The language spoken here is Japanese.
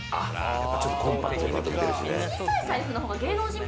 やっぱコンパクトにまとめてるしね。